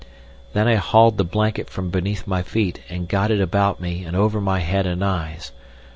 Then I hauled the blanket from beneath my feet and got it about me and over my head and eyes.